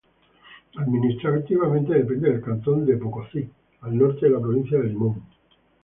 Administrativamente depende del Cantón de Pococí, al norte de la Provincia de Limón.